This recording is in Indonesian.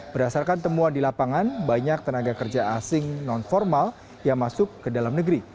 berdasarkan temuan di lapangan banyak tenaga kerja asing non formal yang masuk ke dalam negeri